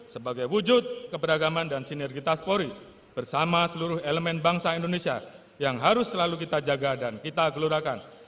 sebagai wujud keberagaman dan sinergitas polri bersama seluruh elemen bangsa indonesia yang harus selalu kita jaga dan kita gelurakan